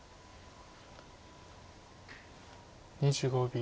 ２５秒。